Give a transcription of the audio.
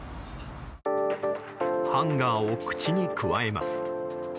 ハンガーを口にくわえます。